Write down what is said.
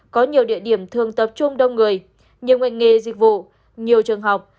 có nhiều địa điểm thường tập trung đông người nhiều ngành nghề dịch vụ nhiều trường học